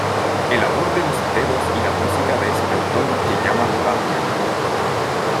el amor de los efebos y la música de ese teutón que llaman Wagner.